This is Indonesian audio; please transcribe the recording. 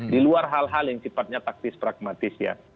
di luar hal hal yang sifatnya taktis pragmatis ya